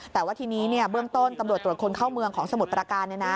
แต่ว่าทีนี้เบื้องต้นตำรวจตรวจคนเข้าเมืองของสมุทรประการ